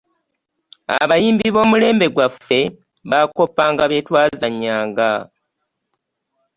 Abayimbi b'omulembe gwaffe baakoppanga bye twazannyanga.